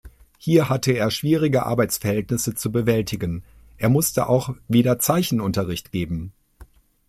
Hier hatte er schwierige Arbeitsverhältnisse zu bewältigen, er musste auch wieder Zeichenunterricht geben.